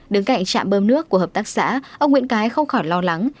đứng cạnh trạm bơm nước của hợp tác xã ông nguyễn cái không khỏi lo lắng